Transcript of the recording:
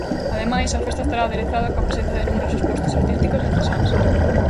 Ademais, a festa estará aderezada coa presenza de numerosos postos artísticos e artesáns.